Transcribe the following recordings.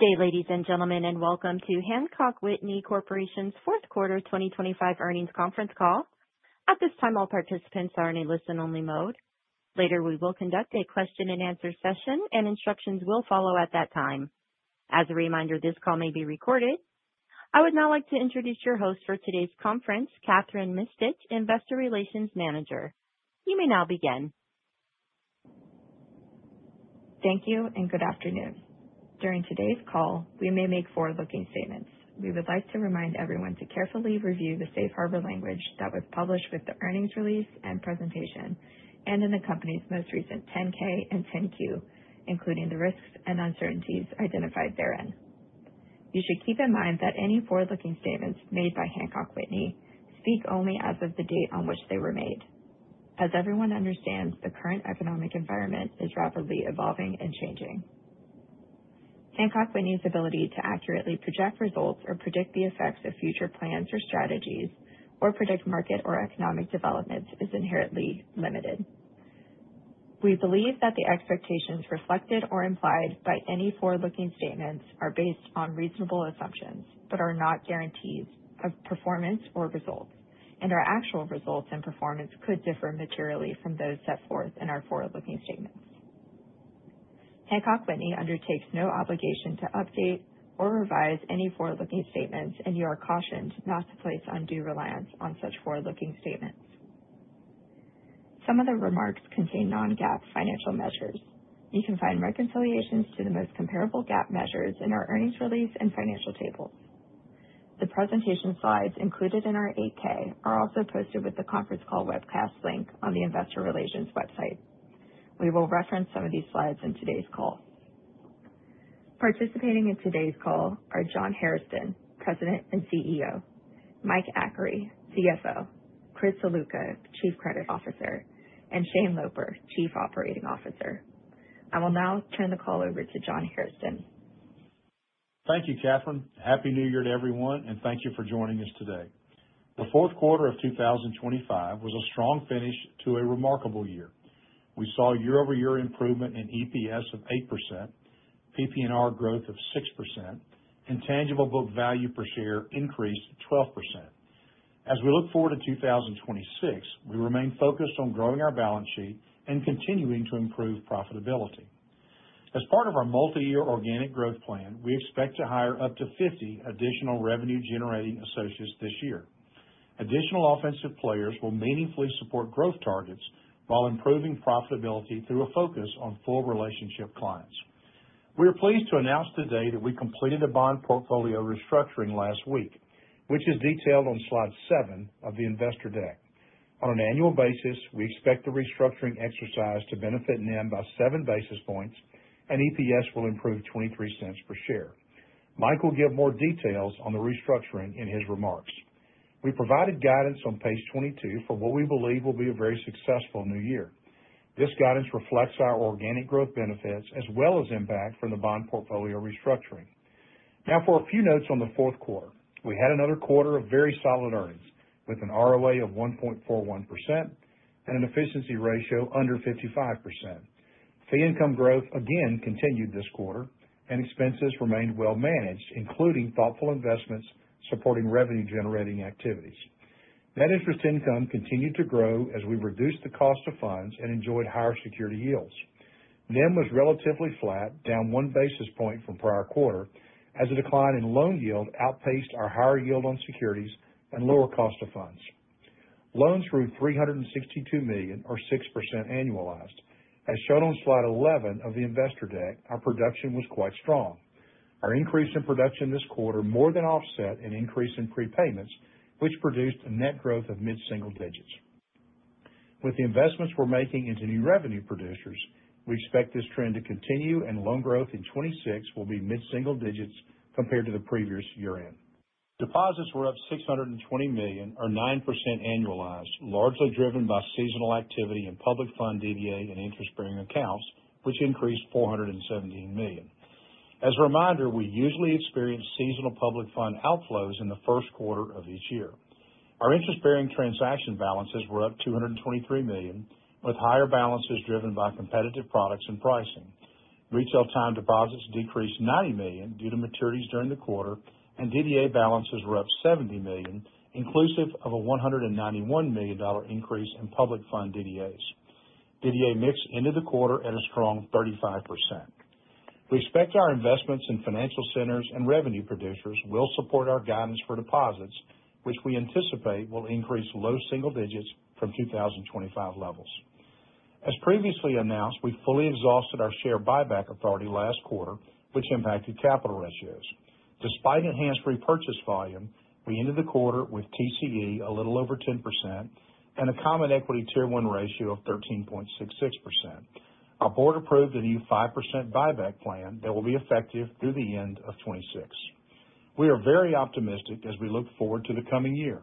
Good day, ladies and gentlemen, and welcome to Hancock Whitney Corporation's Fourth Quarter 2025 Earnings Conference Call. At this time, all participants are in a listen-only mode. Later, we will conduct a question-and-answer session, and instructions will follow at that time. As a reminder, this call may be recorded. I would now like to introduce your host for today's conference, Kathryn Mistich, Investor Relations Manager. You may now begin. Thank you, and good afternoon. During today's call, we may make forward-looking statements. We would like to remind everyone to carefully review the safe harbor language that was published with the earnings release and presentation, and in the company's most recent 10-K and 10-Q, including the risks and uncertainties identified therein. You should keep in mind that any forward-looking statements made by Hancock Whitney speak only as of the date on which they were made. As everyone understands, the current economic environment is rapidly evolving and changing. Hancock Whitney's ability to accurately project results or predict the effects of future plans or strategies, or predict market or economic developments, is inherently limited. We believe that the expectations reflected or implied by any forward-looking statements are based on reasonable assumptions, but are not guarantees of performance or results, and our actual results and performance could differ materially from those set forth in our forward-looking statements. Hancock Whitney undertakes no obligation to update or revise any forward-looking statements, and you are cautioned not to place undue reliance on such forward-looking statements. Some of the remarks contain non-GAAP financial measures. You can find reconciliations to the most comparable GAAP measures in our earnings release and financial tables. The presentation slides included in our 8-K are also posted with the conference call webcast link on the Investor Relations website. We will reference some of these slides in today's call. Participating in today's call are John Hairston, President and CEO, Mike Achary, CFO, Chris Ziluca, Chief Credit Officer, and Shane Loper, Chief Operating Officer. I will now turn the call over to John Hairston. Thank you, Kathryn. Happy New Year to everyone, and thank you for joining us today. The fourth quarter of 2025 was a strong finish to a remarkable year. We saw year-over-year improvement in EPS of 8%, PP&R growth of 6%, and tangible book value per share increased 12%. As we look forward to 2026, we remain focused on growing our balance sheet and continuing to improve profitability. As part of our multi-year organic growth plan, we expect to hire up to 50 additional revenue-generating associates this year. Additional offensive players will meaningfully support growth targets while improving profitability through a focus on full relationship clients. We are pleased to announce today that we completed a bond portfolio restructuring last week, which is detailed on slide seven of the investor deck. On an annual basis, we expect the restructuring exercise to benefit NIM by seven basis points, and EPS will improve $0.23 per share. Mike will give more details on the restructuring in his remarks. We provided guidance on page 22 for what we believe will be a very successful new year. This guidance reflects our organic growth benefits as well as impact from the bond portfolio restructuring. Now, for a few notes on the fourth quarter, we had another quarter of very solid earnings with an ROA of 1.41% and an efficiency ratio under 55%. Fee income growth again continued this quarter, and expenses remained well-managed, including thoughtful investments supporting revenue-generating activities. Net interest income continued to grow as we reduced the cost of funds and enjoyed higher security yields. NIM was relatively flat, down one basis point from prior quarter, as a decline in loan yield outpaced our higher yield on securities and lower cost of funds. Loans grew $362 million, or 6% annualized. As shown on slide 11 of the investor deck, our production was quite strong. Our increase in production this quarter more than offset an increase in prepayments, which produced a net growth of mid-single digits. With the investments we're making into new revenue producers, we expect this trend to continue, and loan growth in 2026 will be mid-single digits compared to the previous year-end. Deposits were up $620 million, or 9% annualized, largely driven by seasonal activity in public fund DDA and interest-bearing accounts, which increased $417 million. As a reminder, we usually experience seasonal public fund outflows in the first quarter of each year. Our interest-bearing transaction balances were up $223 million, with higher balances driven by competitive products and pricing. Retail time deposits decreased $90 million due to maturities during the quarter, and DDA balances were up $70 million, inclusive of a $191 million increase in public fund DDAs. DDA mix ended the quarter at a strong 35%. We expect our investments in financial centers and revenue producers will support our guidance for deposits, which we anticipate will increase low single digits from 2025 levels. As previously announced, we fully exhausted our share buyback authority last quarter, which impacted capital ratios. Despite enhanced repurchase volume, we ended the quarter with TCE a little over 10% and a Common Equity Tier 1 ratio of 13.66%. Our board approved a new 5% buyback plan that will be effective through the end of 2026. We are very optimistic as we look forward to the coming year.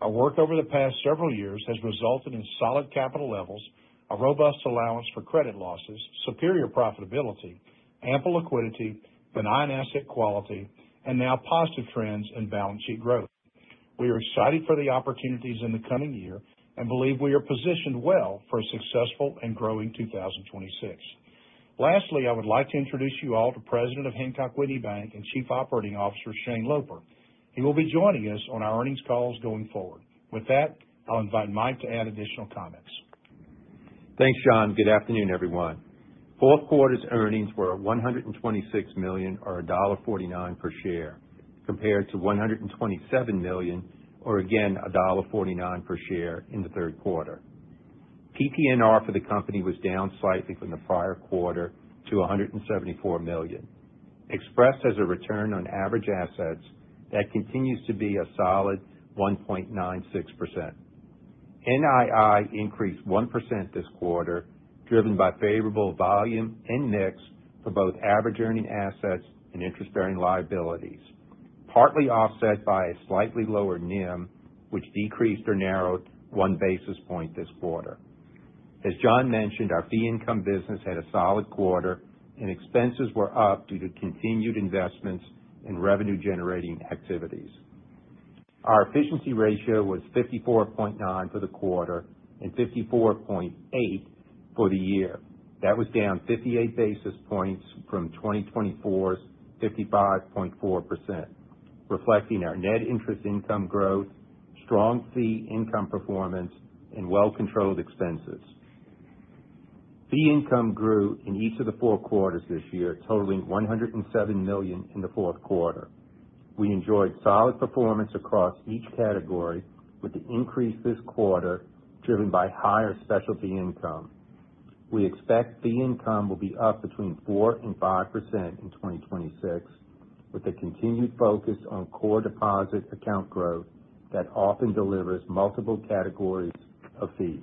Our work over the past several years has resulted in solid capital levels, a robust allowance for credit losses, superior profitability, ample liquidity, benign asset quality, and now positive trends in balance sheet growth. We are excited for the opportunities in the coming year and believe we are positioned well for a successful and growing 2026. Lastly, I would like to introduce you all to President of Hancock Whitney Bank and Chief Operating Officer Shane Loper. He will be joining us on our earnings calls going forward. With that, I'll invite Mike to add additional comments. Thanks, John. Good afternoon, everyone. Fourth quarter's earnings were $126 million, or $1.49 per share, compared to $127 million, or again $1.49 per share in the third quarter. PPNR for the company was down slightly from the prior quarter to $174 million, expressed as a return on average assets that continues to be a solid 1.96%. NII increased 1% this quarter, driven by favorable volume and mix for both average earning assets and interest-bearing liabilities, partly offset by a slightly lower NIM, which decreased or narrowed one basis point this quarter. As John mentioned, our fee income business had a solid quarter, and expenses were up due to continued investments in revenue-generating activities. Our efficiency ratio was 54.9% for the quarter and 54.8% for the year. That was down 58 basis points from 2024's 55.4%, reflecting our net interest income growth, strong fee income performance, and well-controlled expenses. Fee income grew in each of the four quarters this year, totaling $107 million in the fourth quarter. We enjoyed solid performance across each category, with the increase this quarter driven by higher specialty income. We expect fee income will be up between 4%-5% in 2026, with a continued focus on core deposit account growth that often delivers multiple categories of fees.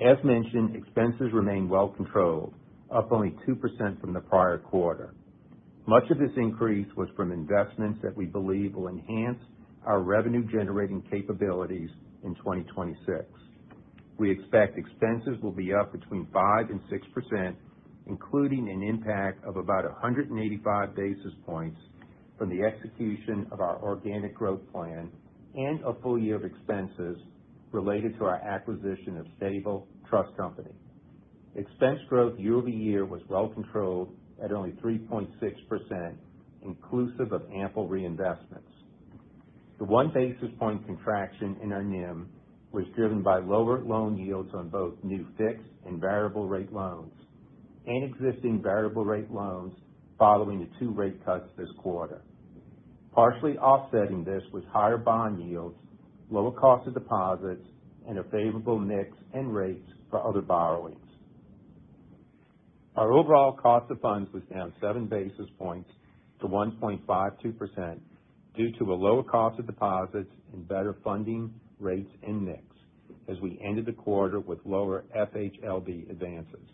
As mentioned, expenses remain well-controlled, up only 2% from the prior quarter. Much of this increase was from investments that we believe will enhance our revenue-generating capabilities in 2026. We expect expenses will be up between 5%-6%, including an impact of about 185 basis points from the execution of our organic growth plan and a full year of expenses related to our acquisition of Sable Trust Company. Expense growth year-over-year was well-controlled at only 3.6%, inclusive of ample reinvestments. The one basis point contraction in our NEM was driven by lower loan yields on both new fixed and variable-rate loans and existing variable-rate loans following the two rate cuts this quarter. Partially offsetting this was higher bond yields, lower cost of deposits, and a favorable mix and rates for other borrowings. Our overall cost of funds was down 7 basis points to 1.52% due to a lower cost of deposits and better funding rates and mix, as we ended the quarter with lower FHLB advances.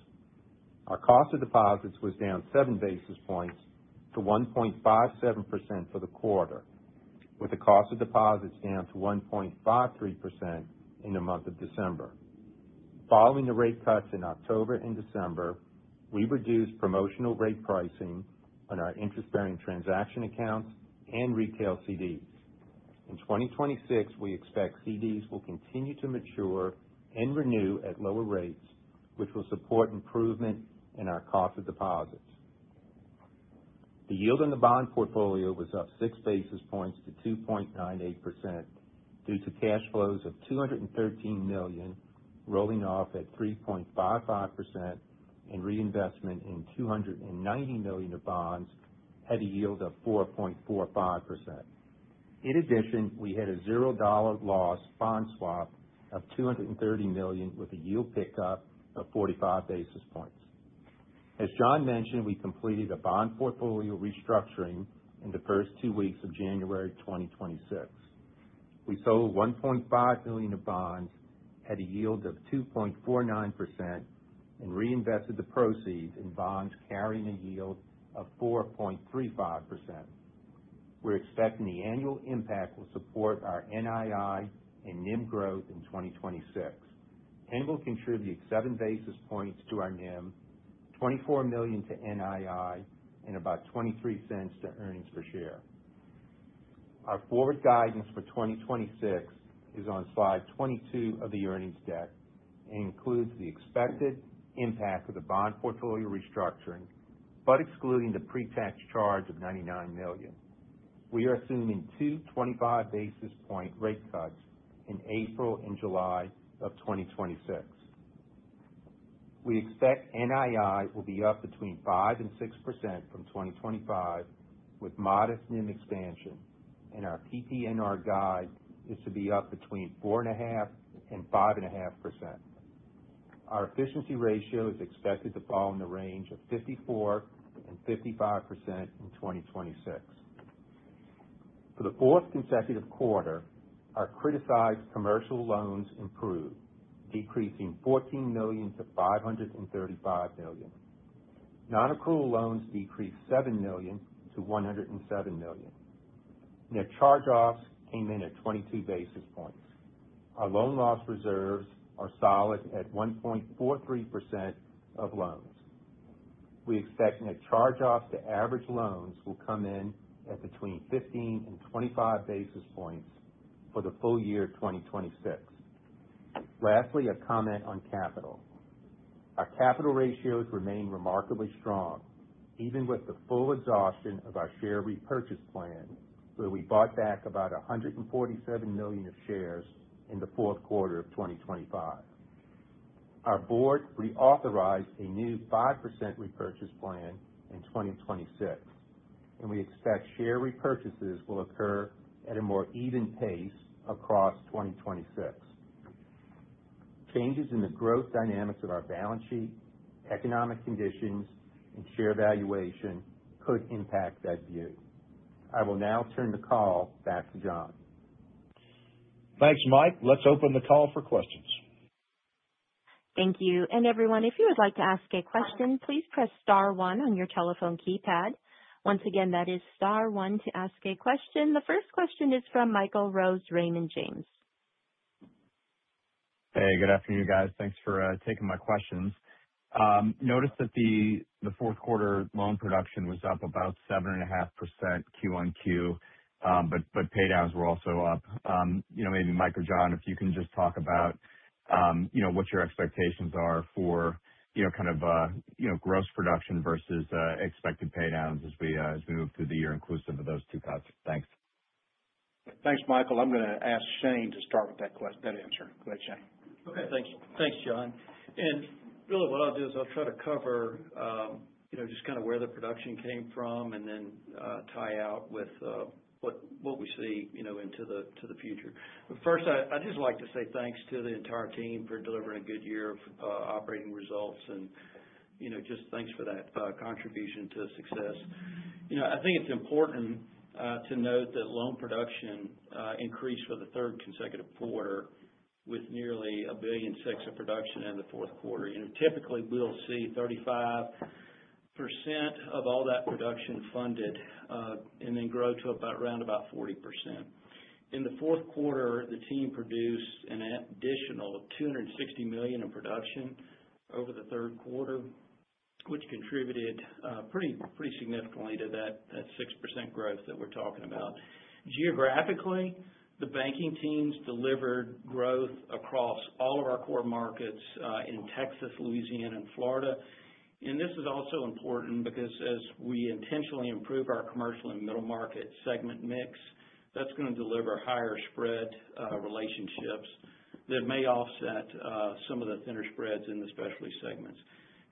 Our cost of deposits was down 7 basis points to 1.57% for the quarter, with the cost of deposits down to 1.53% in the month of December. Following the rate cuts in October and December, we reduced promotional rate pricing on our interest-bearing transaction accounts and retail CDs. In 2026, we expect CDs will continue to mature and renew at lower rates, which will support improvement in our cost of deposits. The yield on the bond portfolio was up 6 basis points to 2.98% due to cash flows of $213 million, rolling off at 3.55%, and reinvestment in $290 million of bonds, had a yield of 4.45%. In addition, we had a $0 loss bond swap of $230 million, with a yield pickup of 45 basis points. As John mentioned, we completed a bond portfolio restructuring in the first two weeks of January 2026. We sold $1.5 million of bonds, had a yield of 2.49%, and reinvested the proceeds in bonds carrying a yield of 4.35%. We're expecting the annual impact will support our NII and NEM growth in 2026, and will contribute 7 basis points to our NEM, $24 million to NII, and about $0.23 to earnings per share. Our forward guidance for 2026 is on slide 22 of the earnings deck and includes the expected impact of the bond portfolio restructuring, but excluding the pre-tax charge of $99 million. We are assuming two 25 basis point rate cuts in April and July of 2026. We expect NII will be up between 5% and 6% from 2025, with modest NEM expansion, and our PP&R guide is to be up between 4.5% and 5.5%. Our efficiency ratio is expected to fall in the range of 54% and 55% in 2026. For the fourth consecutive quarter, our criticized commercial loans improved, decreasing $14 million to $535 million. Non-accrual loans decreased $7 million to $107 million. Net charge-offs came in at 22 basis points. Our loan loss reserves are solid at 1.43% of loans. We expect net charge-offs to average loans will come in at between 15 and 25 basis points for the full year 2026. Lastly, a comment on capital. Our capital ratios remain remarkably strong, even with the full exhaustion of our share repurchase plan, where we bought back about $147 million of shares in the fourth quarter of 2025. Our board reauthorized a new 5% repurchase plan in 2026, and we expect share repurchases will occur at a more even pace across 2026. Changes in the growth dynamics of our balance sheet, economic conditions, and share valuation could impact that view. I will now turn the call back to John. Thanks, Mike. Let's open the call for questions. Thank you. And everyone, if you would like to ask a question, please press star one on your telephone keypad. Once again, that is star one to ask a question. The first question is from Michael Rose, Raymond James. Hey, good afternoon, guys. Thanks for taking my questions. Noticed that the fourth quarter loan production was up about 7.5% Q on Q, but paydowns were also up. Maybe Mike or John, if you can just talk about what your expectations are for kind of gross production versus expected paydowns as we move through the year, inclusive of those two cuts? Thanks. Thanks, Michael. I'm going to ask Shane to start with that answer. Go ahead, Shane. Okay. Thanks, John. And really, what I'll do is I'll try to cover just kind of where the production came from and then tie out with what we see into the future. But first, I'd just like to say thanks to the entire team for delivering a good year of operating results and just thanks for that contribution to success. I think it's important to note that loan production increased for the third consecutive quarter with nearly $1.6 billion of production in the fourth quarter. Typically, we'll see 35% of all that production funded and then grow to around about 40%. In the fourth quarter, the team produced an additional $260 million in production over the third quarter, which contributed pretty significantly to that 6% growth that we're talking about. Geographically, the banking teams delivered growth across all of our core markets in Texas, Louisiana, and Florida. This is also important because as we intentionally improve our commercial and middle market segment mix, that's going to deliver higher spread relationships that may offset some of the thinner spreads in the specialty segments.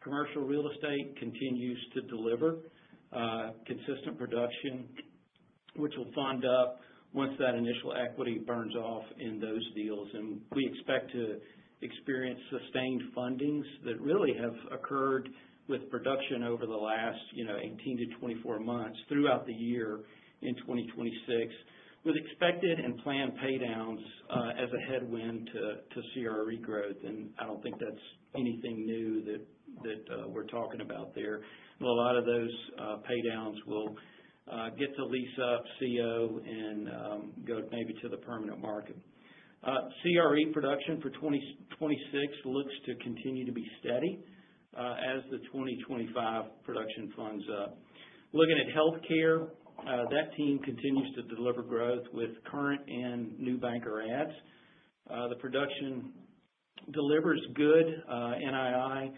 Commercial real estate continues to deliver consistent production, which will fund up once that initial equity burns off in those deals. We expect to experience sustained fundings that really have occurred with production over the last 18-24 months throughout the year in 2026, with expected and planned paydowns as a headwind to CRE growth. I don't think that's anything new that we're talking about there. A lot of those paydowns will get to lease up, CO, and go maybe to the permanent market. CRE production for 2026 looks to continue to be steady as the 2025 production funds up. Looking at healthcare, that team continues to deliver growth with current and new banker adds. The production delivers good NII,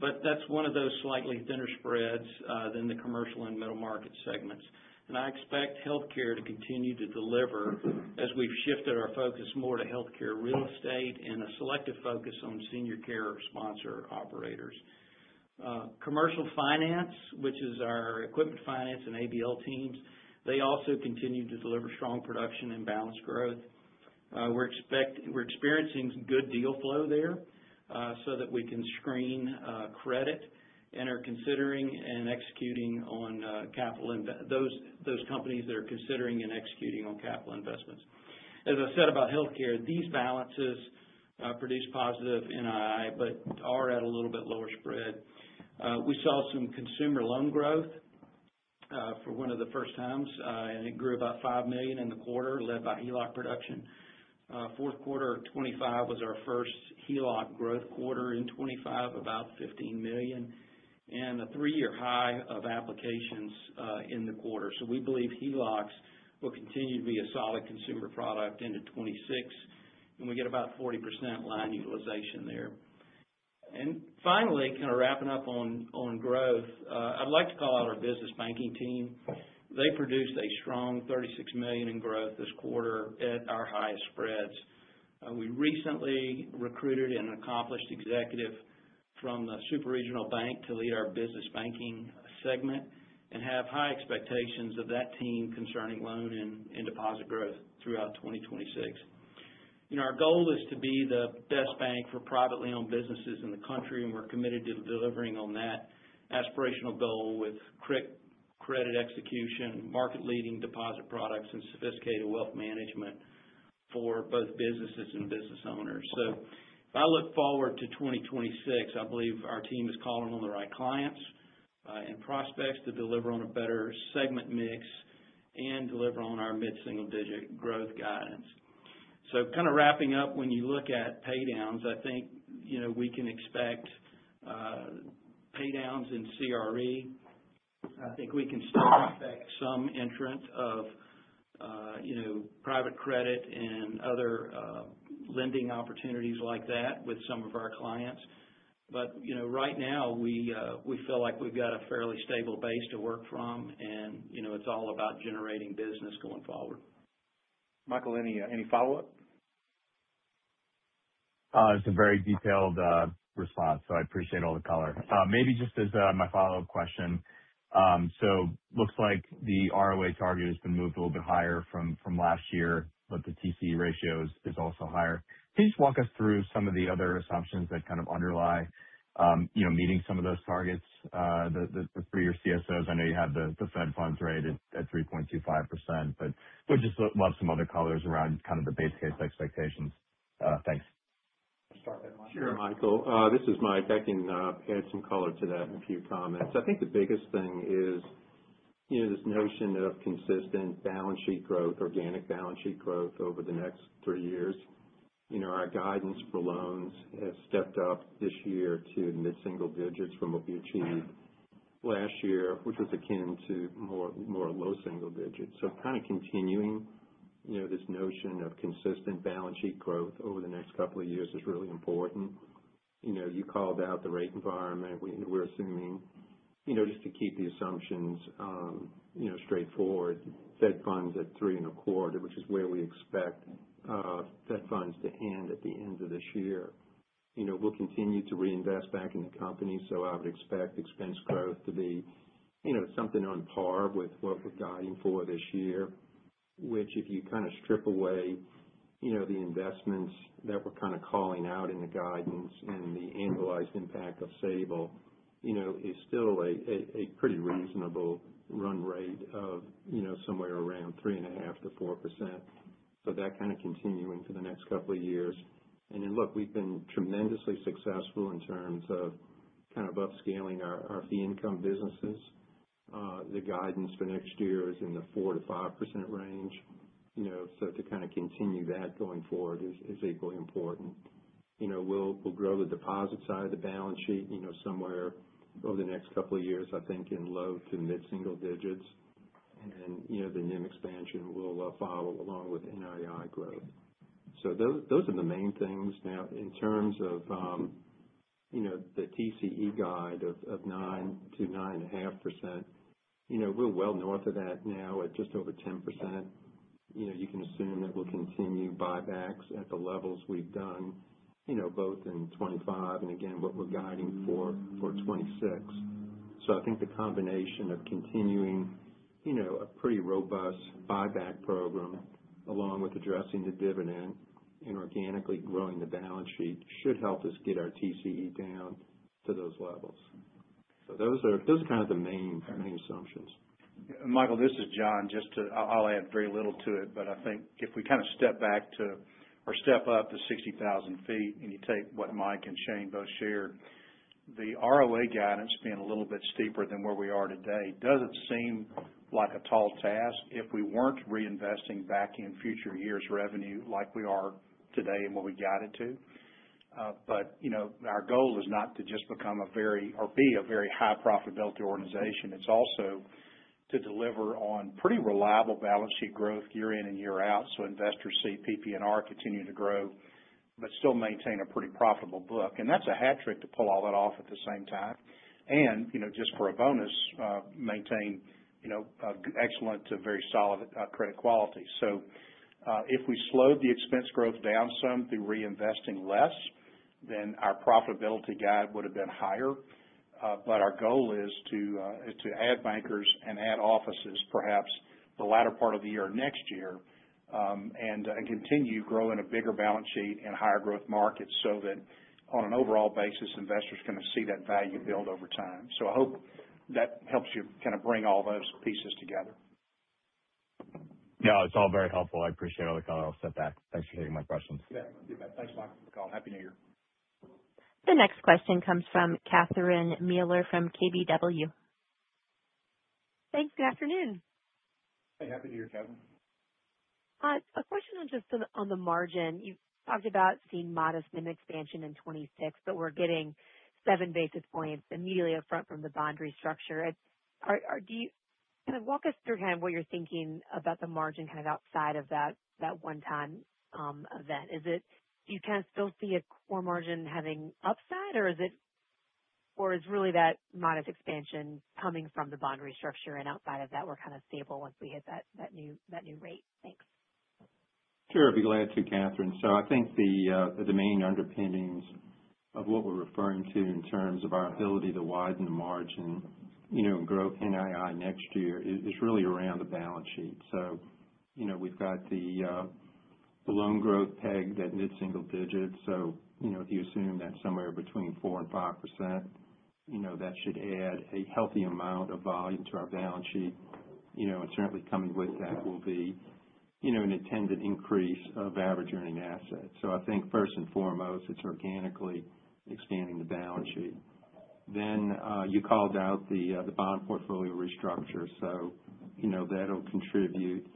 but that's one of those slightly thinner spreads than the commercial and middle market segments. I expect healthcare to continue to deliver as we've shifted our focus more to healthcare real estate and a selective focus on senior care sponsor operators. Commercial finance, which is our equipment finance and ABL teams, they also continue to deliver strong production and balanced growth. We're experiencing good deal flow there so that we can screen credit and are considering and executing on capital those companies that are considering and executing on capital investments. As I said about healthcare, these balances produce positive NII, but are at a little bit lower spread. We saw some consumer loan growth for one of the first times, and it grew about $5 million in the quarter, led by HELOC production. Fourth quarter of 2025 was our first HELOC growth quarter in 2025, about $15 million, and a three-year high of applications in the quarter. So we believe HELOCs will continue to be a solid consumer product into 2026, and we get about 40% line utilization there. And finally, kind of wrapping up on growth, I'd like to call out our business banking team. They produced a strong $36 million in growth this quarter at our highest spreads. We recently recruited an accomplished executive from the super-regional bank to lead our business banking segment and have high expectations of that team concerning loan and deposit growth throughout 2026. Our goal is to be the best bank for privately owned businesses in the country, and we're committed to delivering on that aspirational goal with quick credit execution, market-leading deposit products, and sophisticated wealth management for both businesses and business owners. So if I look forward to 2026, I believe our team is calling on the right clients and prospects to deliver on a better segment mix and deliver on our mid-single-digit growth guidance. So kind of wrapping up, when you look at paydowns, I think we can expect paydowns in CRE. I think we can still expect some entrance of private credit and other lending opportunities like that with some of our clients. But right now, we feel like we've got a fairly stable base to work from, and it's all about generating business going forward. Michael, any follow-up? It's a very detailed response, so I appreciate all the color. Maybe just as my follow-up question, so it looks like the ROA target has been moved a little bit higher from last year, but the TCE ratio is also higher. Can you just walk us through some of the other assumptions that kind of underlie meeting some of those targets, the three-year CSOs? I know you have the Fed funds rate at 3.25%, but we'd just love some other colors around kind of the base case expectations. Thanks. Sure, Michael. This is Mike. I can add some color to that and a few comments. I think the biggest thing is this notion of consistent balance sheet growth, organic balance sheet growth over the next three years. Our guidance for loans has stepped up this year to mid-single digits from what we achieved last year, which was akin to more low single digits. So kind of continuing this notion of consistent balance sheet growth over the next couple of years is really important. You called out the rate environment. We're assuming, just to keep the assumptions straightforward, Fed funds at three and a quarter, which is where we expect Fed funds to end at the end of this year. We'll continue to reinvest back in the company, so I would expect expense growth to be something on par with what we're guiding for this year, which, if you kind of strip away the investments that we're kind of calling out in the guidance and the annualized impact of Sable, is still a pretty reasonable run rate of somewhere around 3.5%-4%. So that kind of continuing for the next couple of years. And then, look, we've been tremendously successful in terms of kind of upscaling our fee-income businesses. The guidance for next year is in the 4%-5% range. So to kind of continue that going forward is equally important. We'll grow the deposit side of the balance sheet somewhere over the next couple of years, I think, in low to mid-single digits. And then the NIM expansion will follow along with NII growth. So those are the main things. Now, in terms of the TCE guide of 9%-9.5%, we're well north of that now at just over 10%. You can assume that we'll continue buybacks at the levels we've done, both in 2025 and, again, what we're guiding for 2026. So I think the combination of continuing a pretty robust buyback program along with addressing the dividend and organically growing the balance sheet should help us get our TCE down to those levels. So those are kind of the main assumptions. Michael, this is John. I'll add very little to it, but I think if we kind of step back to or step up to 60,000 feet and you take what Mike and Shane both shared, the ROA guidance being a little bit steeper than where we are today doesn't seem like a tall task if we weren't reinvesting back in future years' revenue like we are today and what we guided to. But our goal is not to just become a very or be a very high-profitability organization. It's also to deliver on pretty reliable balance sheet growth year in and year out so investors see PP&R continue to grow but still maintain a pretty profitable book. And that's a hat trick to pull all that off at the same time. And just for a bonus, maintain excellent to very solid credit quality. So if we slowed the expense growth down some through reinvesting less, then our profitability guide would have been higher. But our goal is to add bankers and add offices, perhaps the latter part of the year next year, and continue growing a bigger balance sheet and higher growth market so that, on an overall basis, investors can see that value build over time. So I hope that helps you kind of bring all those pieces together. Yeah, it's all very helpful. I appreciate all the color. I'll step back. Thanks for taking my questions. Yeah, you bet. Thanks, Michael. Happy New Year. The next question comes from Catherine Mealor from KBW. Thanks. Good afternoon. Hey, happy New Year, Catherine. A question on just on the margin. You talked about seeing modest NIM expansion in 2026, but we're getting seven basis points immediately upfront from the bond restructure. Kind of walk us through kind of what you're thinking about the margin kind of outside of that one-time event. Do you kind of still see a core margin having upside, or is it really that modest expansion coming from the bond restructure and outside of that, we're kind of stable once we hit that new rate? Thanks. Sure. I'd be glad to, Catherine. I think the main underpinnings of what we're referring to in terms of our ability to widen the margin and grow NII next year is really around the balance sheet. We've got the loan growth pegged at mid-single digits. If you assume that somewhere between 4%-5%, that should add a healthy amount of volume to our balance sheet. Certainly, coming with that will be an attendant increase of average earning assets. I think, first and foremost, it's organically expanding the balance sheet. Then you called out the bond portfolio restructure. That'll contribute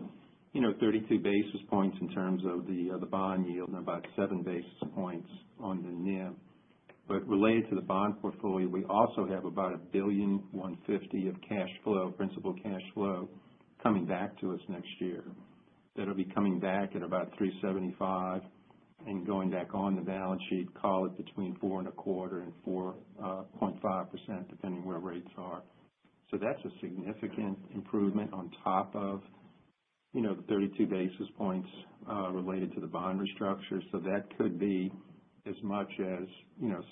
32 basis points in terms of the bond yield and about 7 basis points on the NIM. Related to the bond portfolio, we also have about $1.15 billion of principal cash flow coming back to us next year. That'll be coming back at about 3.75% and going back on the balance sheet, call it between 4.25% and 4.5%, depending where rates are. So that's a significant improvement on top of the 32 basis points related to the bond restructure. So that could be as much as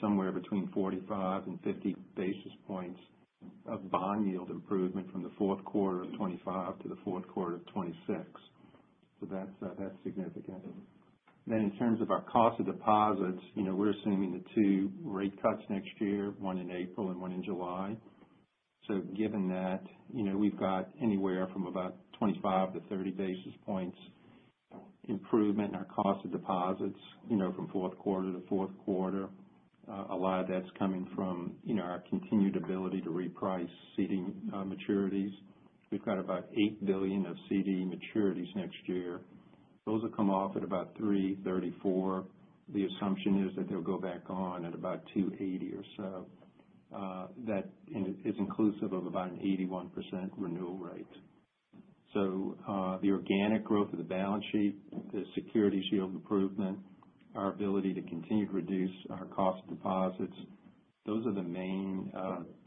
somewhere between 45 and 50 basis points of bond yield improvement from the fourth quarter of 2025 to the fourth quarter of 2026. So that's significant. Then, in terms of our cost of deposits, we're assuming the two rate cuts next year, one in April and one in July. So given that, we've got anywhere from about 25 to 30 basis points improvement in our cost of deposits from fourth quarter to fourth quarter. A lot of that's coming from our continued ability to reprice CD maturities. We've got about $8 billion of CD maturities next year. Those will come off at about 334. The assumption is that they'll go back on at about 280 or so. That is inclusive of about an 81% renewal rate. So the organic growth of the balance sheet, the security shield improvement, our ability to continue to reduce our cost of deposits, those are the main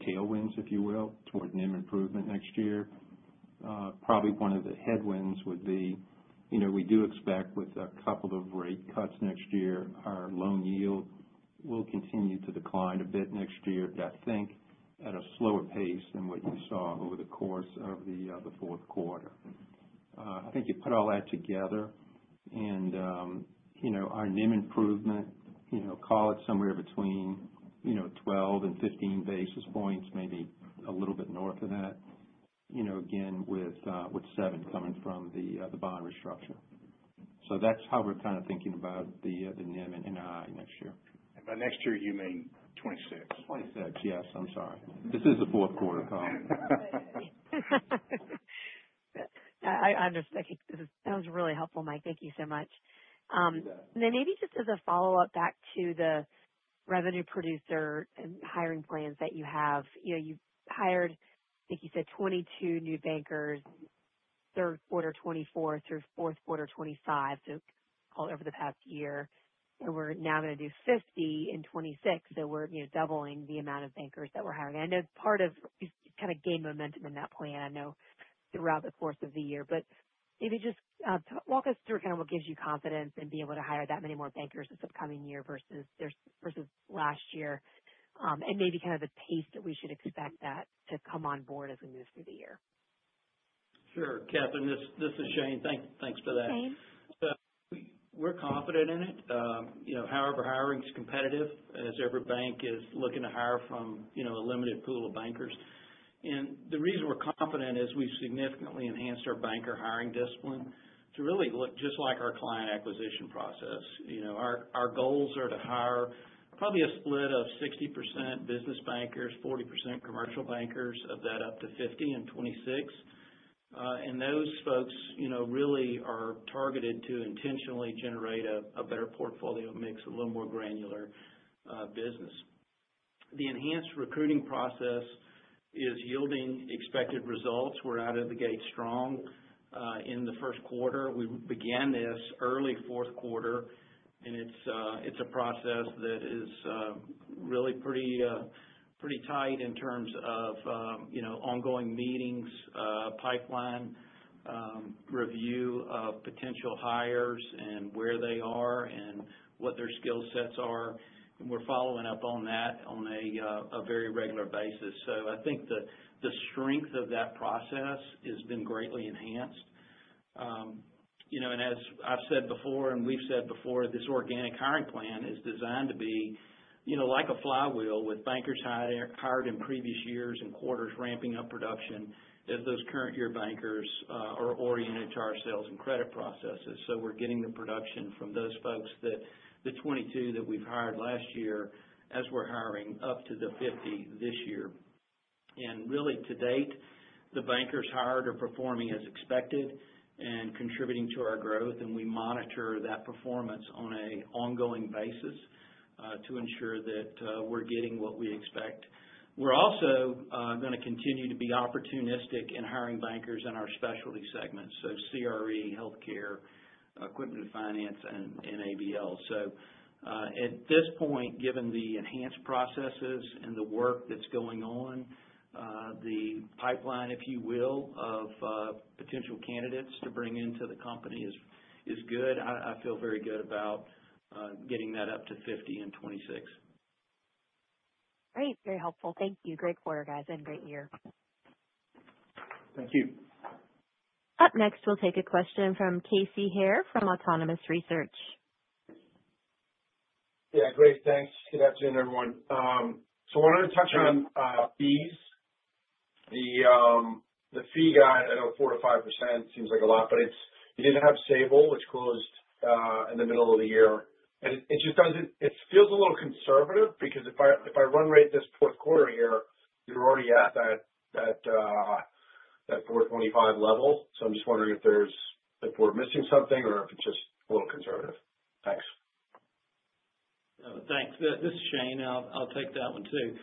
tailwinds, if you will, toward NIM improvement next year. Probably one of the headwinds would be we do expect, with a couple of rate cuts next year, our loan yield will continue to decline a bit next year, but I think at a slower pace than what you saw over the course of the fourth quarter. I think you put all that together, and our NIM improvement, call it somewhere between 12 and 15 basis points, maybe a little bit north of that, again, with seven coming from the bond restructure. So that's how we're kind of thinking about the NIM and NII next year. And by next year, you mean 2026? 2026, yes. I'm sorry. This is the fourth quarter, Carl. I understand. This sounds really helpful, Mike. Thank you so much. And then maybe just as a follow-up back to the revenue producer and hiring plans that you have, you've hired, I think you said, 22 new bankers, third quarter 2024 through fourth quarter 2025, so call it over the past year. And we're now going to do 50 in 2026, so we're doubling the amount of bankers that we're hiring. I know part of you kind of gained momentum in that plan, I know, throughout the course of the year. But maybe just walk us through kind of what gives you confidence in being able to hire that many more bankers this upcoming year versus last year, and maybe kind of the pace that we should expect that to come on board as we move through the year. Sure. Catherine, this is Shane. Thanks for that. Same. We're confident in it. However, hiring's competitive as every bank is looking to hire from a limited pool of bankers. And the reason we're confident is we've significantly enhanced our banker hiring discipline to really look just like our client acquisition process. Our goals are to hire probably a split of 60% business bankers, 40% commercial bankers, of that up to 50 in 2026. And those folks really are targeted to intentionally generate a better portfolio mix, a little more granular business. The enhanced recruiting process is yielding expected results. We're out of the gate strong in the first quarter. We began this early fourth quarter, and it's a process that is really pretty tight in terms of ongoing meetings, pipeline review of potential hires and where they are and what their skill sets are. And we're following up on that on a very regular basis. So I think the strength of that process has been greatly enhanced. And as I've said before and we've said before, this organic hiring plan is designed to be like a flywheel with bankers hired in previous years and quarters ramping up production as those current-year bankers are oriented to our sales and credit processes. So we're getting the production from those folks, the 22 that we've hired last year, as we're hiring up to the 50 this year. And really, to date, the bankers hired are performing as expected and contributing to our growth, and we monitor that performance on an ongoing basis to ensure that we're getting what we expect. We're also going to continue to be opportunistic in hiring bankers in our specialty segments, so CRE, healthcare, equipment finance, and ABL. So at this point, given the enhanced processes and the work that's going on, the pipeline, if you will, of potential candidates to bring into the company is good. I feel very good about getting that up to 50 in 2026. Great. Very helpful. Thank you. Great quarter, guys, and great year. Thank you. Up next, we'll take a question from Casey Haire from Autonomous Research. Yeah, great. Thanks. Good afternoon, everyone. So I wanted to touch on fees. The fee guide at a 4%-5% seems like a lot, but you did have Sable, which closed in the middle of the year. And it feels a little conservative because if I run rate this fourth quarter here, you're already at that 4.25 level. So I'm just wondering if we're missing something or if it's just a little conservative. Thanks. Thanks. This is Shane. I'll take that one too.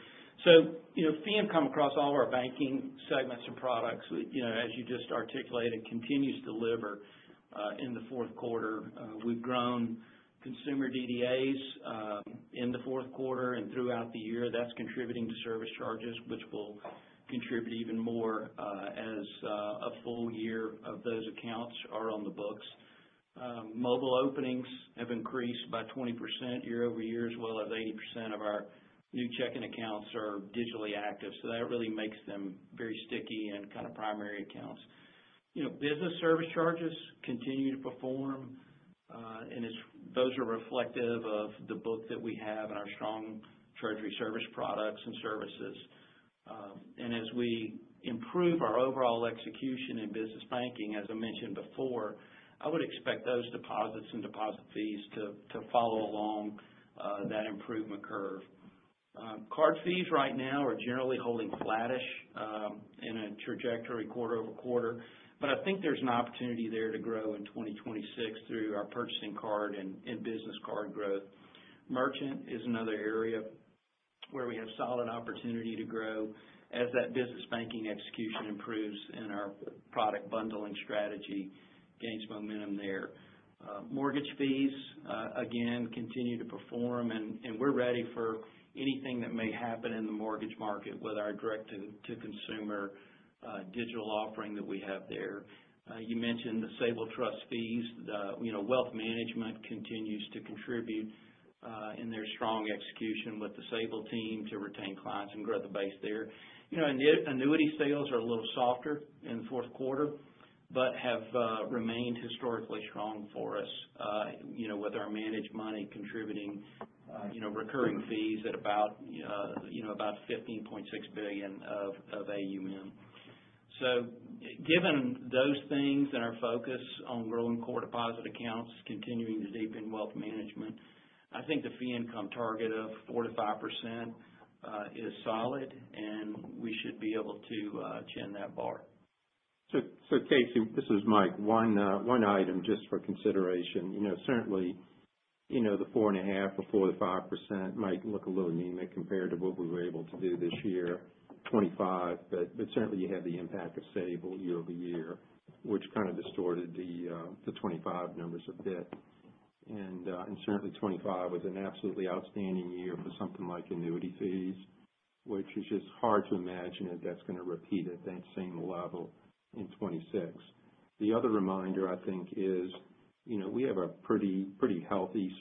So fee income across all of our banking segments and products, as you just articulated, continues to deliver in the fourth quarter. We've grown consumer DDAs in the fourth quarter and throughout the year. That's contributing to service charges, which will contribute even more as a full year of those accounts are on the books. Mobile openings have increased by 20% year over year, as well as 80% of our new checking accounts are digitally active. So that really makes them very sticky and kind of primary accounts. Business service charges continue to perform, and those are reflective of the book that we have in our strong treasury service products and services. And as we improve our overall execution in business banking, as I mentioned before, I would expect those deposits and deposit fees to follow along that improvement curve. Card fees right now are generally holding flattish in a trajectory quarter over quarter, but I think there's an opportunity there to grow in 2026 through our purchasing card and business card growth. Merchant is another area where we have solid opportunity to grow as that business banking execution improves in our product bundling strategy, gains momentum there. Mortgage fees, again, continue to perform, and we're ready for anything that may happen in the mortgage market with our direct-to-consumer digital offering that we have there. You mentioned the Sable Trust fees. Wealth management continues to contribute in their strong execution with the Sable team to retain clients and grow the base there. Annuity sales are a little softer in the fourth quarter but have remained historically strong for us with our managed money contributing recurring fees at about 15.6 billion of AUM. Given those things and our focus on growing core deposit accounts, continuing to deepen wealth management, I think the fee-income target of 4%-5% is solid, and we should be able to chin that bar. So Casey, this is Mike. One item just for consideration. Certainly, the 4.5% or 4% to 5% might look a little anemic compared to what we were able to do this year, 25%, but certainly, you have the impact of Sable year over year, which kind of distorted the 25% numbers a bit. And certainly, 25% was an absolutely outstanding year for something like annuity fees, which is just hard to imagine that that's going to repeat at that same level in 2026. The other reminder, I think, is we have a pretty healthy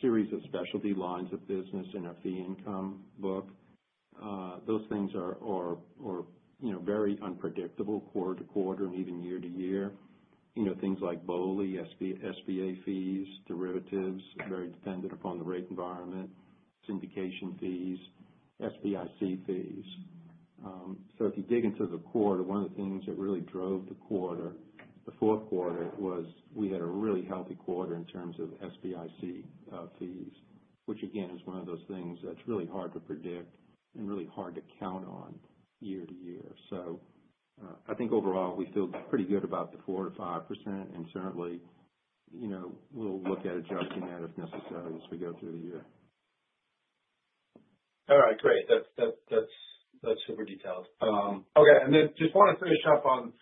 series of specialty lines of business in our fee-income book. Those things are very unpredictable quarter to quarter and even year to year. Things like BOLI, SBA fees, derivatives, very dependent upon the rate environment, syndication fees, SBIC fees. So if you dig into the quarter, one of the things that really drove the quarter, the fourth quarter, was we had a really healthy quarter in terms of SBIC fees, which, again, is one of those things that's really hard to predict and really hard to count on year to year. So I think overall, we feel pretty good about the 4%-5%, and certainly, we'll look at adjusting that if necessary as we go through the year. All right. Great. That's super detailed. Okay, and then just want to finish up on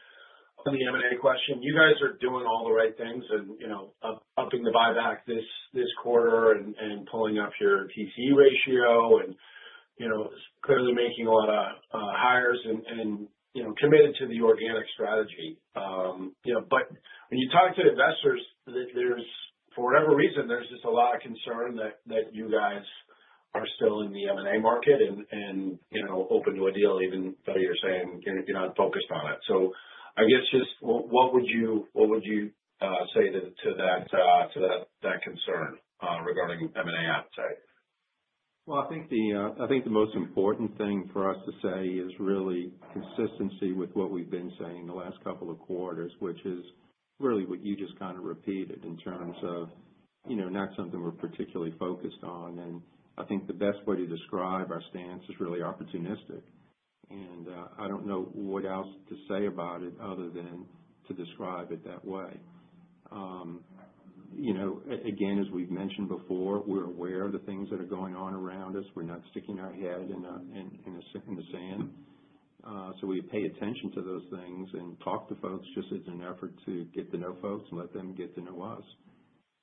the M&A question. You guys are doing all the right things and upping the buyback this quarter and pulling up your TCE ratio and clearly making a lot of hires and committed to the organic strategy, but when you talk to investors, for whatever reason, there's just a lot of concern that you guys are still in the M&A market and open to a deal, even though you're saying you're not focused on it, so I guess just what would you say to that concern regarding M&A appetite? Well, I think the most important thing for us to say is really consistency with what we've been saying the last couple of quarters, which is really what you just kind of repeated in terms of not something we're particularly focused on. And I think the best way to describe our stance is really opportunistic. And I don't know what else to say about it other than to describe it that way. Again, as we've mentioned before, we're aware of the things that are going on around us. We're not sticking our head in the sand. So we pay attention to those things and talk to folks just as an effort to get to know folks and let them get to know us.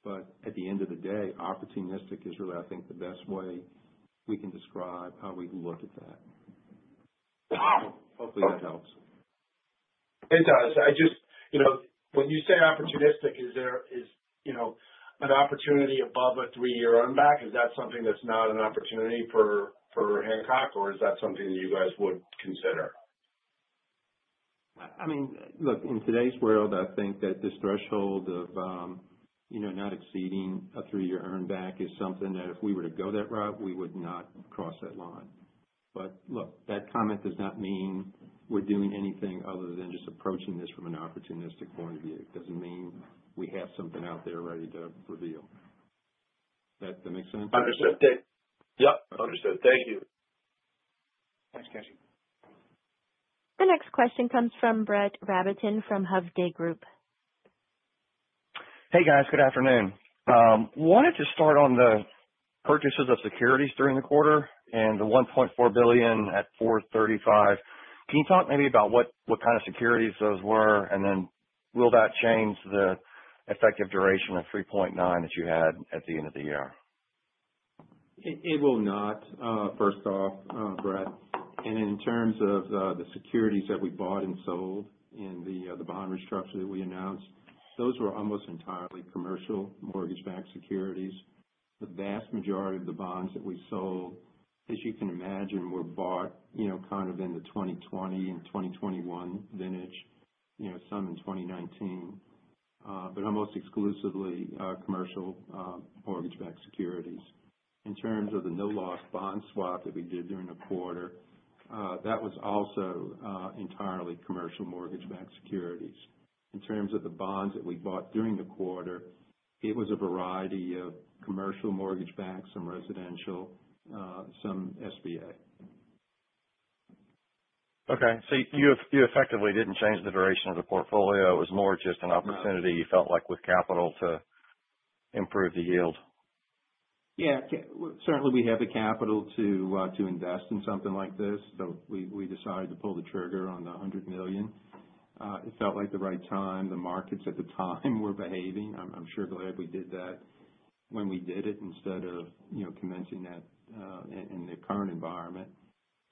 But at the end of the day, opportunistic is really, I think, the best way we can describe how we look at that. Hopefully, that helps. It does. When you say opportunistic, is there an opportunity above a three-year earnback? Is that something that's not an opportunity for Hancock, or is that something that you guys would consider? I mean, look, in today's world, I think that this threshold of not exceeding a three-year earnback is something that if we were to go that route, we would not cross that line. But look, that comment does not mean we're doing anything other than just approaching this from an opportunistic point of view. It doesn't mean we have something out there ready to reveal. That make sense? Understood. Yep. Understood. Thank you. Thanks, Casey. The next question comes from Brett Rabatin from Hovde Group. Hey, guys. Good afternoon. Wanted to start on the purchases of securities during the quarter and the $1.4 billion at 4.35. Can you talk maybe about what kind of securities those were, and then will that change the effective duration of 3.9 that you had at the end of the year? It will not, first off, Brett. In terms of the securities that we bought and sold in the bond restructure that we announced, those were almost entirely commercial mortgage-backed securities. The vast majority of the bonds that we sold, as you can imagine, were bought kind of in the 2020 and 2021 vintage, some in 2019, but almost exclusively commercial mortgage-backed securities. In terms of the no-loss bond swap that we did during the quarter, that was also entirely commercial mortgage-backed securities. In terms of the bonds that we bought during the quarter, it was a variety of commercial mortgage-backed, some residential, some SBA. Okay. So you effectively didn't change the duration of the portfolio. It was more just an opportunity you felt like with capital to improve the yield. Yeah. Certainly, we have the capital to invest in something like this, but we decided to pull the trigger on the $100 million. It felt like the right time. The markets at the time were behaving. I'm sure glad we did that when we did it instead of commencing that in the current environment.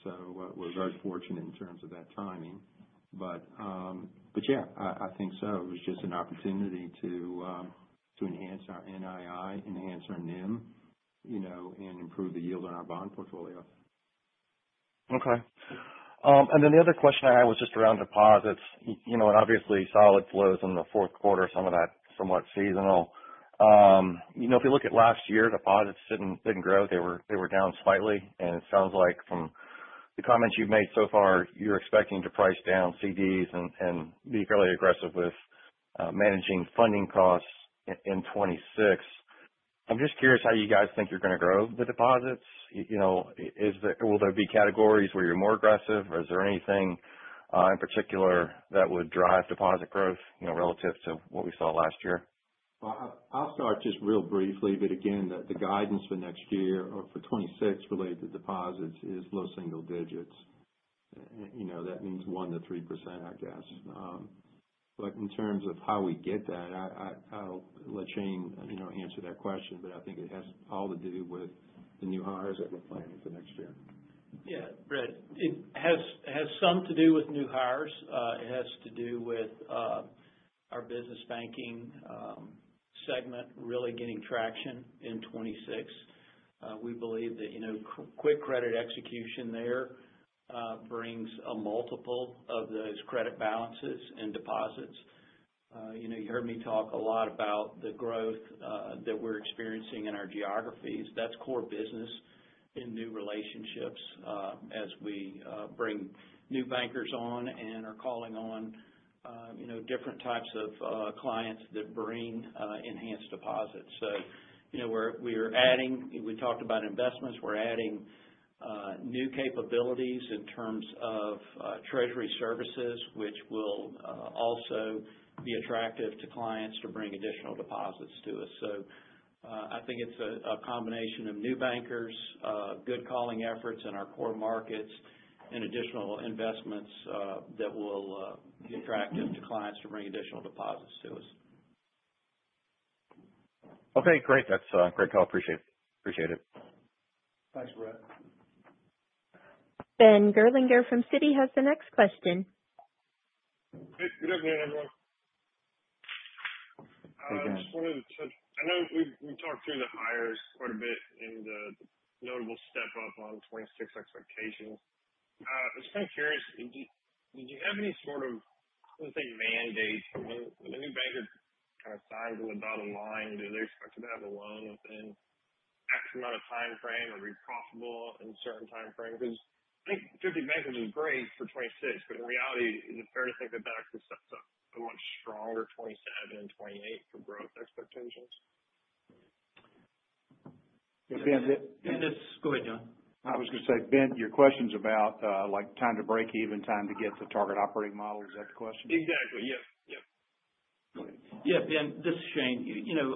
So we're very fortunate in terms of that timing. But yeah, I think so. It was just an opportunity to enhance our NII, enhance our NIM, and improve the yield on our bond portfolio. Okay. And then the other question I had was just around deposits. Obviously, solid flows in the fourth quarter, some of that somewhat seasonal. If you look at last year, deposits didn't grow. They were down slightly. And it sounds like from the comments you've made so far, you're expecting to price down CDs and be fairly aggressive with managing funding costs in 2026. I'm just curious how you guys think you're going to grow the deposits. Will there be categories where you're more aggressive? Is there anything in particular that would drive deposit growth relative to what we saw last year? I'll start just real briefly. But again, the guidance for next year or for 2026 related to deposits is low single digits. That means 1%-3%, I guess. But in terms of how we get that, I'll let Shane answer that question, but I think it has all to do with the new hires that we're planning for next year. Yeah. Brett, it has some to do with new hires. It has to do with our business banking segment really getting traction in 2026. We believe that quick credit execution there brings a multiple of those credit balances and deposits. You heard me talk a lot about the growth that we're experiencing in our geographies. That's core business in new relationships as we bring new bankers on and are calling on different types of clients that bring enhanced deposits. So we're adding. We talked about investments. We're adding new capabilities in terms of treasury services, which will also be attractive to clients to bring additional deposits to us. So I think it's a combination of new bankers, good calling efforts in our core markets, and additional investments that will be attractive to clients to bring additional deposits to us. Okay. Great. That's great call. Appreciate it. Thanks, Brett. Ben Gerlinger from Citi has the next question. Hey. Good afternoon, everyone. I just wanted to touch - I know we talked through the hires quite a bit and the notable step-up on 2026 expectations. I was kind of curious, did you have any sort of, I want to say, mandate? When a new banker kind of signs an adds a line, do they expect to have a loan within X amount of time frame or be profitable in certain time frames? Because I think 50 bankers is great for 2026, but in reality, is it fair to think that that actually sets up a much stronger 2027 and 2028 for growth expectations? Ben, this— Go ahead, John. I was going to say, Ben, your question's about time to break even, time to get the target operating model. Is that the question? Exactly. Yep. Yep. Yeah. Ben, this is Shane.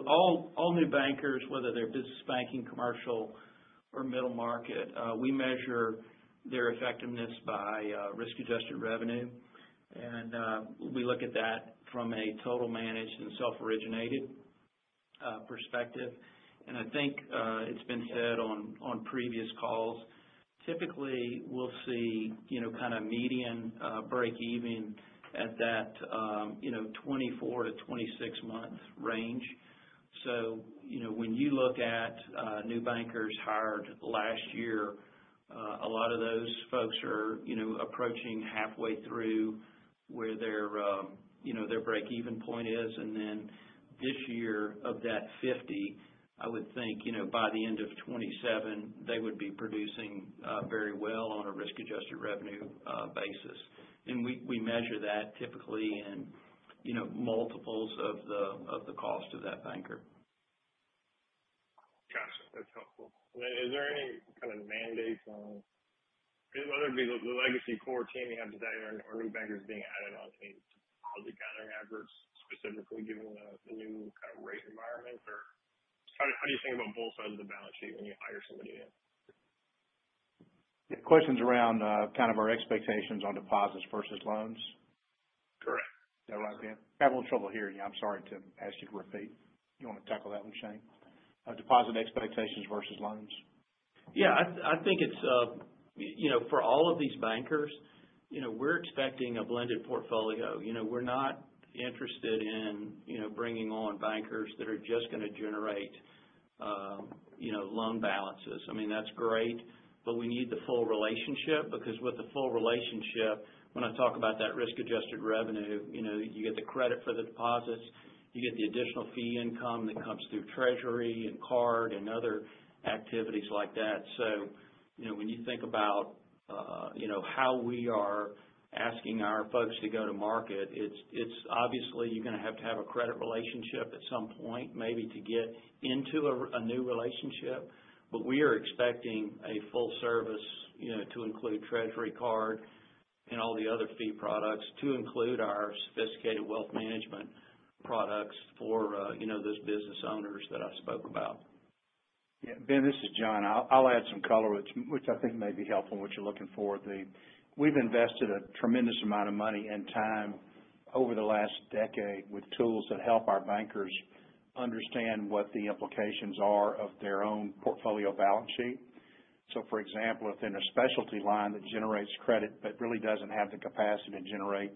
All new bankers, whether they're business banking, commercial, or middle market, we measure their effectiveness by risk-adjusted revenue. And we look at that from a total managed and self-originated perspective. And I think it's been said on previous calls, typically, we'll see kind of median break-even at that 24- to 26-month range. So when you look at new bankers hired last year, a lot of those folks are approaching halfway through where their break-even point is. And then this year of that 50, I would think by the end of 2027, they would be producing very well on a risk-adjusted revenue basis. And we measure that typically in multiples of the cost of that banker. Gotcha. That's helpful. Is there any kind of mandates on, whether it be the legacy core team you have today or new bankers being added onto these deposit gathering efforts, specifically given the new kind of rate environment? Or how do you think about both sides of the balance sheet when you hire somebody in? The question's around kind of our expectations on deposits versus loans. Correct. Is that right, Ben? I have a little trouble hearing you. I'm sorry to ask you to repeat. You want to tackle that one, Shane? Deposit expectations versus loans. Yeah. I think for all of these bankers, we're expecting a blended portfolio. We're not interested in bringing on bankers that are just going to generate loan balances. I mean, that's great, but we need the full relationship because with the full relationship, when I talk about that risk-adjusted revenue, you get the credit for the deposits. You get the additional fee income that comes through treasury and card and other activities like that. So when you think about how we are asking our folks to go to market, it's obviously you're going to have to have a credit relationship at some point maybe to get into a new relationship. But we are expecting a full service to include treasury card and all the other fee products to include our sophisticated wealth management products for those business owners that I spoke about. Yeah. Ben, this is John. I'll add some color, which I think may be helpful in what you're looking for. We've invested a tremendous amount of money and time over the last decade with tools that help our bankers understand what the implications are of their own portfolio balance sheet. So for example, if in a specialty line that generates credit but really doesn't have the capacity to generate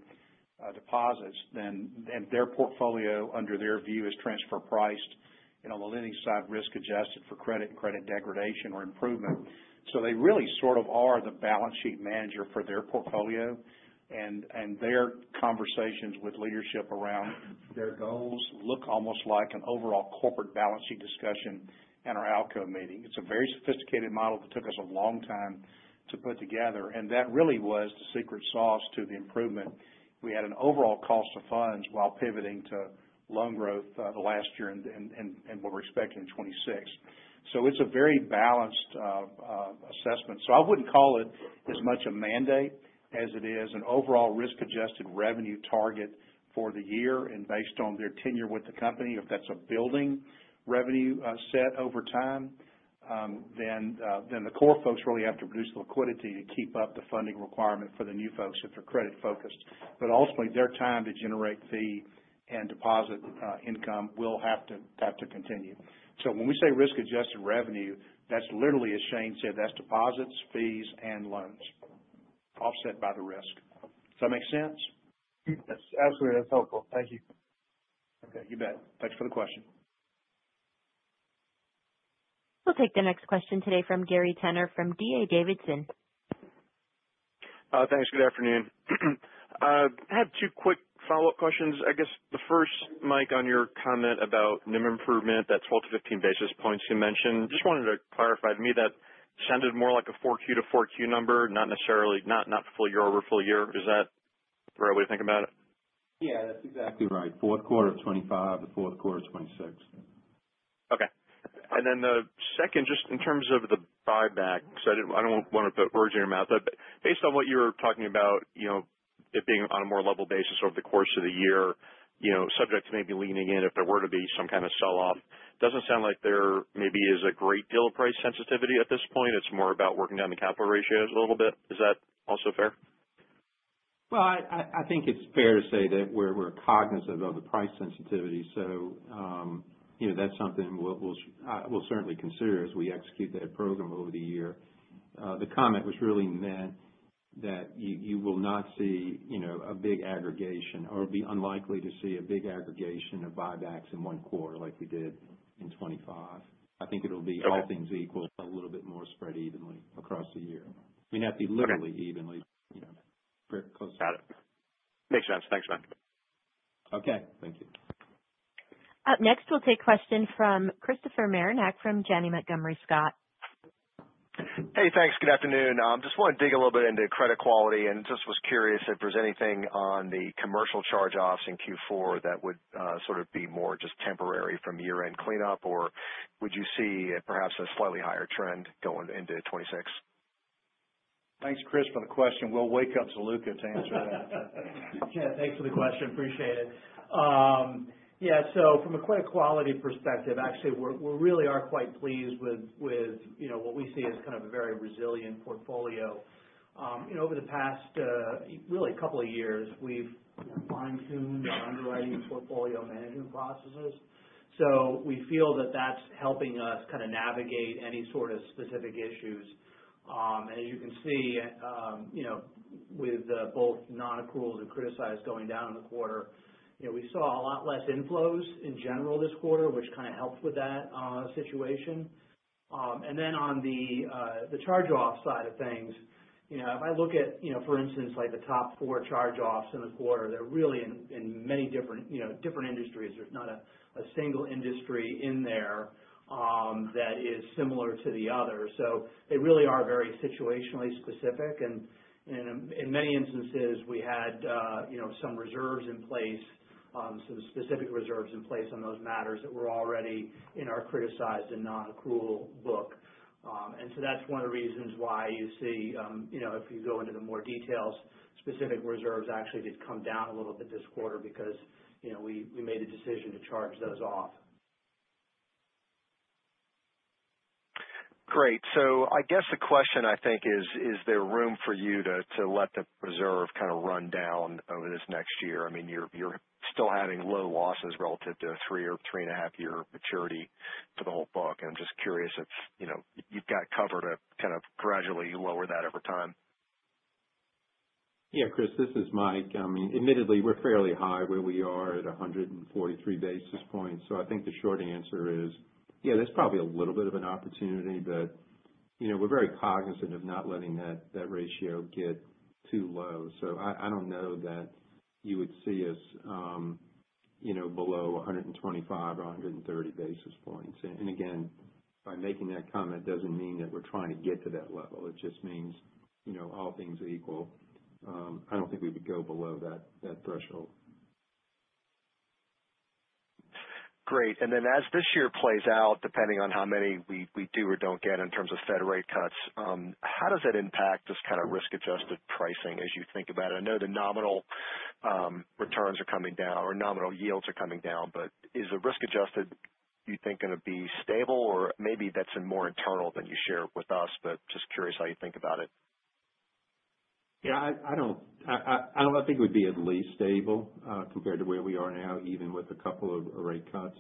deposits, then their portfolio under their view is transfer priced and on the lending side risk-adjusted for credit and credit degradation or improvement. So they really sort of are the balance sheet manager for their portfolio. And their conversations with leadership around their goals look almost like an overall corporate balance sheet discussion at our outcome meeting. It's a very sophisticated model that took us a long time to put together. And that really was the secret sauce to the improvement. We had an overall cost of funds while pivoting to loan growth last year and what we're expecting in 2026. So it's a very balanced assessment. So I wouldn't call it as much a mandate as it is an overall risk-adjusted revenue target for the year. And based on their tenure with the company, if that's a building revenue set over time, then the core folks really have to produce liquidity to keep up the funding requirement for the new folks if they're credit-focused. But ultimately, their time to generate fee and deposit income will have to continue. So when we say risk-adjusted revenue, that's literally, as Shane said, that's deposits, fees, and loans offset by the risk. Does that make sense? Yes. Absolutely. That's helpful. Thank you. Okay. You bet. Thanks for the question. We'll take the next question today from Gary Tenner from DA Davidson. Thanks. Good afternoon. I have two quick follow-up questions. I guess the first, Mike, on your comment about NIM improvement, that 12-15 basis points you mentioned. Just wanted to clarify to me that sounded more like a 4Q to 4Q number, not necessarily not full year over full year. Is that the right way to think about it? Yeah. That's exactly right. Fourth quarter of 2025, the fourth quarter of 2026. Okay. And then the second, just in terms of the buyback, because I don't want to put words in your mouth, but based on what you were talking about, it being on a more level basis over the course of the year, subjects may be leaning in if there were to be some kind of sell-off. Doesn't sound like there maybe is a great deal of price sensitivity at this point. It's more about working down the capital ratios a little bit. Is that also fair? Well, I think it's fair to say that we're cognizant of the price sensitivity. So that's something we'll certainly consider as we execute that program over the year. The comment was really meant that you will not see a big aggregation or be unlikely to see a big aggregation of buybacks in one quarter like we did in 2025. I think it'll be all things equal a little bit more spread evenly across the year. I mean, that'd be literally evenly. Got it. Makes sense. Thanks, Matt. Okay. Thank you. Up next, we'll take a question from Christopher Marinac from Janney Montgomery Scott. Hey, thanks. Good afternoon. Just wanted to dig a little bit into credit quality and just was curious if there's anything on the commercial charge-offs in Q4 that would sort of be more just temporary from year-end cleanup, or would you see perhaps a slightly higher trend going into 2026? Thanks, Chris, for the question. We'll wake up to Ziluca to answer that. Yeah. Thanks for the question. Appreciate it. Yeah, so from a credit quality perspective, actually, we really are quite pleased with what we see as kind of a very resilient portfolio. Over the past, really, couple of years, we've fine-tuned our underwriting portfolio management processes, so we feel that that's helping us kind of navigate any sort of specific issues, and as you can see, with both non-accruals and criticized going down in the quarter, we saw a lot less inflows in general this quarter, which kind of helped with that situation, and then on the charge-off side of things, if I look at, for instance, the top four charge-offs in the quarter, they're really in many different industries. There's not a single industry in there that is similar to the other, so they really are very situationally specific. And in many instances, we had some reserves in place, some specific reserves in place on those matters that were already in our criticized and non-accrual book. And so that's one of the reasons why you see, if you go into the more details, specific reserves actually did come down a little bit this quarter because we made the decision to charge those off. Great. So I guess the question, I think, is, is there room for you to let the reserve kind of run down over this next year? I mean, you're still having low losses relative to a three or three-and-a-half-year maturity for the whole book. And I'm just curious if you've got cover to kind of gradually lower that over time. Yeah, Chris, this is Mike. I mean, admittedly, we're fairly high where we are at 143 basis points. So I think the short answer is, yeah, there's probably a little bit of an opportunity, but we're very cognizant of not letting that ratio get too low. So I don't know that you would see us below 125 or 130 basis points. And again, by making that comment, it doesn't mean that we're trying to get to that level. It just means all things equal, I don't think we would go below that threshold. Great. And then as this year plays out, depending on how many we do or don't get in terms of Fed rate cuts, how does that impact this kind of risk-adjusted pricing as you think about it? I know the nominal returns are coming down or nominal yields are coming down, but is the risk-adjusted, do you think, going to be stable? Or maybe that's more internal than you shared with us, but just curious how you think about it. Yeah. I don't think it would be at least stable compared to where we are now, even with a couple of rate cuts.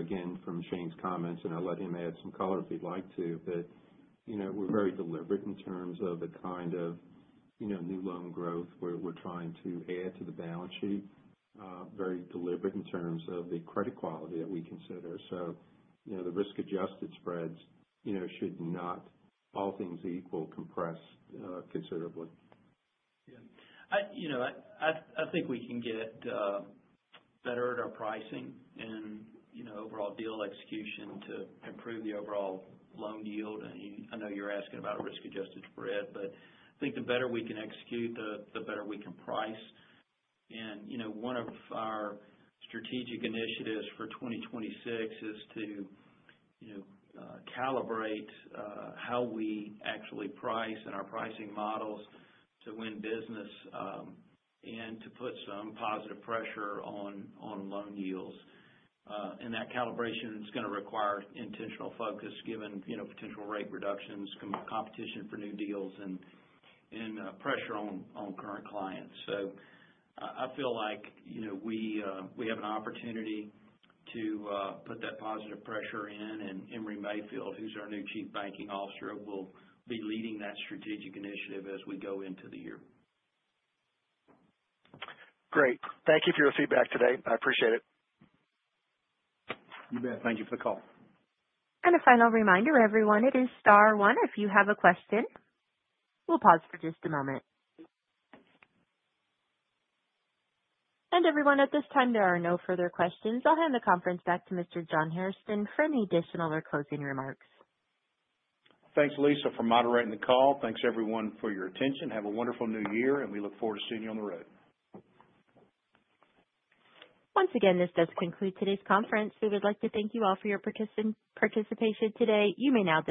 Again, from Shane's comments, and I'll let him add some color if he'd like to, but we're very deliberate in terms of the kind of new loan growth we're trying to add to the balance sheet, very deliberate in terms of the credit quality that we consider. So the risk-adjusted spreads should not, all things equal, compress considerably. Yeah. I think we can get better at our pricing and overall deal execution to improve the overall loan yield. I mean, I know you're asking about risk-adjusted spread, but I think the better we can execute, the better we can price. And one of our strategic initiatives for 2026 is to calibrate how we actually price and our pricing models to win business and to put some positive pressure on loan yields. And that calibration is going to require intentional focus given potential rate reductions, competition for new deals, and pressure on current clients. So I feel like we have an opportunity to put that positive pressure in. And Emery Mayfield, who's our new Chief Banking Officer, will be leading that strategic initiative as we go into the year. Great. Thank you for your feedback today. I appreciate it. You bet. Thank you for the call. A final reminder, everyone, it is star one if you have a question. We'll pause for just a moment. Everyone, at this time, there are no further questions. I'll hand the conference back to Mr. John Hairston for any additional or closing remarks. Thanks, Lisa, for moderating the call. Thanks, everyone, for your attention. Have a wonderful new year, and we look forward to seeing you on the road. Once again, this does conclude today's conference. We would like to thank you all for your participation today. You may now.